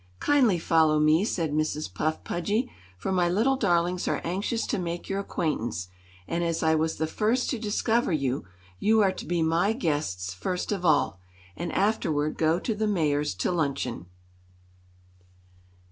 "Kindly follow me," said Mrs. Puff Pudgy, "for my little darlings are anxious to make your acquaintance, and as I was the first to discover you, you are to be my guests first of all, and afterward go to the Mayor's to luncheon."